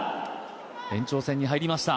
延長戦に入りました。